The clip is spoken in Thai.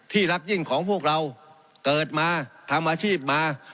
รักยิ่งของพวกเราเกิดมาทำอาชีพมา